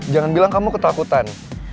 jangan bilang kamu ketakutan